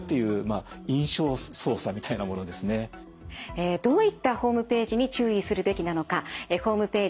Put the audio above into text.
えどういったホームページに注意するべきなのかホームページ